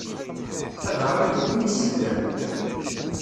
Ad ṛṛay-iw i yiseddan.